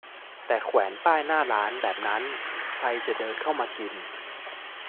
แต่แขวนป้ายหน้าร้านแบบนั้น ใครจะเดินเข้ามากิน